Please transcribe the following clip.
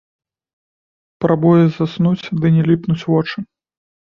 Прабуе заснуць, ды не ліпнуць вочы.